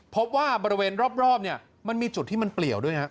พบว่าบริเวณรอบเนี่ยมันมีจุดที่มันเปลี่ยวด้วยไงฮะ